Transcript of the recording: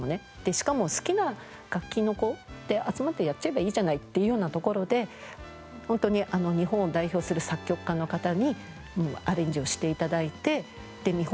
しかも好きな楽器の子で集まってやっちゃえばいいじゃないっていうようなところで本当に日本を代表する作曲家の方にアレンジをして頂いて見本